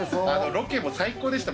ロケも最高でした。